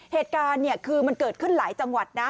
เหตุการณ์เนี่ยคือมันเกิดขึ้นหลายจังหวัดนะ